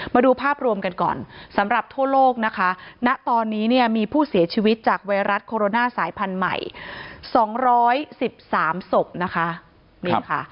มาดูภาพรวมกันก่อนสำหรับทั่วโลกนะคะณตอนนี้เนี่ยมีผู้เสียชีวิตจากไวรัสโคโรนาสายพันธุ์ใหม่๒๑๓ศพนะคะนี่ค่ะ